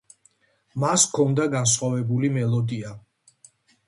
მას ჰქონდა განსხვავებული მელოდია.